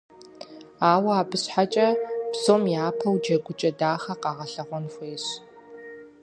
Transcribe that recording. Ауэ абы щхьэкӀэ, псом япэу джэгукӀэ дахэ къагъэлъэгъуэн хуейщ.